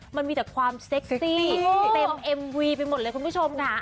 มันมีแต่ความเซ็กซี่เต็มเอ็มวีไปหมดเลยคุณผู้ชมค่ะ